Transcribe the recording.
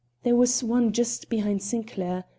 There was one just behind Sinclair.